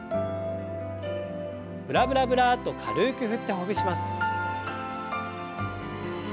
ブラブラブラッと軽く振ってほぐします。